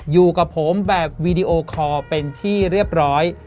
อยู่กับผมแบบวีดีโอคอร์เป็นที่เรียบร้อย